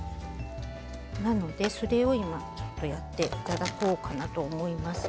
なので、それを今ちょっとやっていただこうかなと思います。